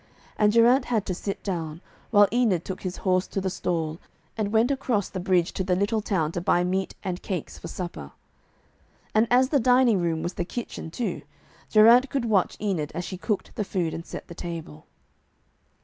And Geraint had to sit down, while Enid took his horse to the stall, and went across the bridge to the little town to buy meat and cakes for supper. And as the dining room was the kitchen too, Geraint could watch Enid as she cooked the food and set the table.